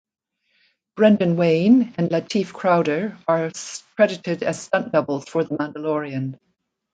Brendan Wayne and Lateef Crowder are credited as stunt doubles for the Mandalorian.